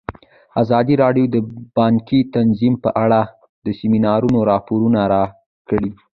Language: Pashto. ازادي راډیو د بانکي نظام په اړه د سیمینارونو راپورونه ورکړي.